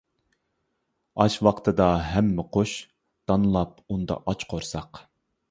ئاش ۋاقتىدا ھەممە قۇش، دانلاپ ئۇندا ئاچ قۇرساق.